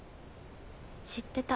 知ってた。